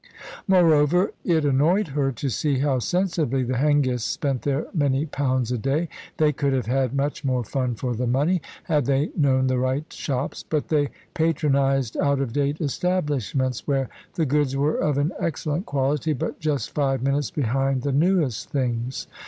Moreover, it annoyed her to see how sensibly the Hengists spent their many pounds a day. They could have had much more fun for the money, had they known the right shops; but they patronised out of date establishments, where the goods were of an excellent quality, but just five minutes behind the newest things.